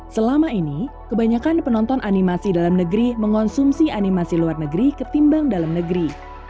selama ini kebanyakan penonton animasi dalam negeri mengonsumsi animasi luar negeri ketimbang dalam negeri